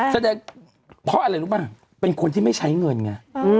แสดงเพราะอะไรรู้ป่ะเป็นคนที่ไม่ใช้เงินไง